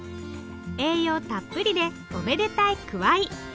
栄養たっぷりでおめでたいくわい。